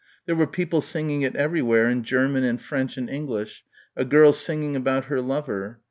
There were people singing it everywhere in German and French and English a girl singing about her lover....